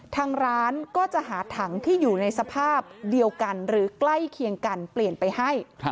ทางร้านก็จะหาถังที่อยู่ในสภาพเดียวกันหรือใกล้เคียงกันเปลี่ยนไปให้